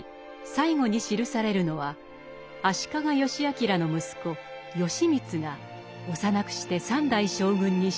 最後に記されるのは足利義詮の息子義満が幼くして三代将軍に就任。